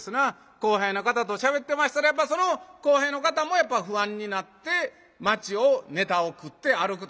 後輩の方としゃべってましたらばその後輩の方もやっぱ不安になって街をネタを繰って歩くと。